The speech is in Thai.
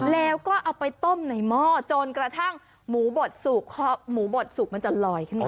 แล้วก็เอาไปต้มในหม้อจนกระทั่งหมูบดหมูบดสุกมันจะลอยขึ้นมา